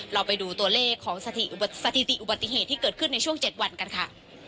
เราไปดูตัวเลขของสถิติอุบัติเหตุที่เกิดขึ้นในช่วง๗วันกันค่ะ